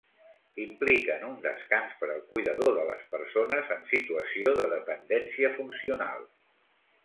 Impliquen un descans per al cuidador de les persones en situació de dependència funcional.